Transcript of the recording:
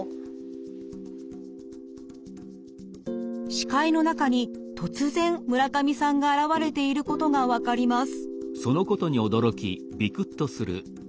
視界の中に突然村上さんが現れていることが分かります。